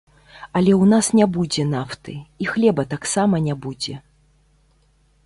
Але ў нас не будзе нафты, і хлеба таксама не будзе.